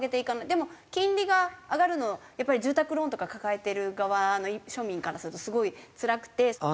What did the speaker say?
でも金利が上がるのやっぱり住宅ローンとか抱えてる側の庶民からするとすごいつらくて。